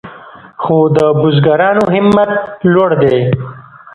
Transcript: خو د بزګرانو همت لوړ دی.